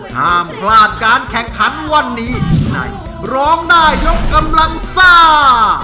ห้ามพลาดการแข่งขันวันนี้ในร้องได้ยกกำลังซ่า